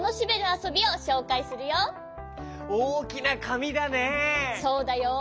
そうだよ。